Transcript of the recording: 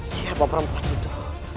siapa perempuan itu